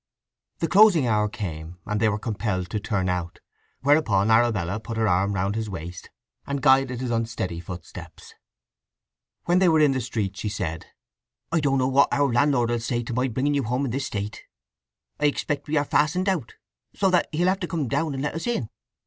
The closing hour came, and they were compelled to turn out; whereupon Arabella put her arm round his waist, and guided his unsteady footsteps. When they were in the streets she said: "I don't know what our landlord will say to my bringing you home in this state. I expect we are fastened out, so that he'll have to come down and let us in."